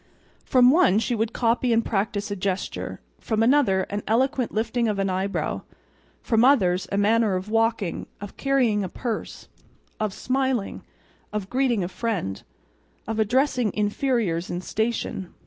From one she would copy and practice a gesture, from another an eloquent lifting of an eyebrow, from others, a manner of walking, of carrying a purse, of smiling, of greeting a friend, of addressing "inferiors in station."